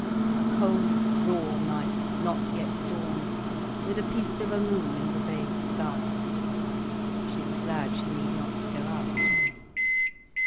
A cold, raw night, not yet dawn, with a piece of a moon in the vague sky. She was glad she need not go out.